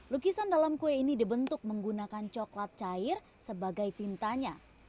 lukisan dalam kue ini dibentuk menggunakan coklat cair sebagai tintanya